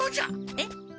えっ？